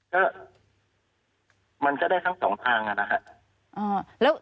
ก็มันจะได้ทั้ง๒ทางน่ะนะคะ